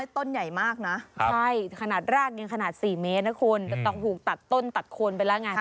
ต้นใหญ่มากนะใช่ขนาดรากยังขนาด๔เมตรนะคุณจะต้องถูกตัดต้นตัดโคนไปแล้วไง